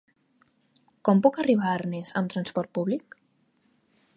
Com puc arribar a Arnes amb trasport públic?